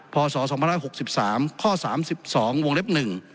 พศ๒๖๓ข้อ๓๒วงเล็บ๑